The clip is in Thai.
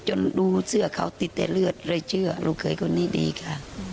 ดูเสื้อเขาติดแต่เลือดเลยเชื่อลูกเคยคนนี้ดีค่ะ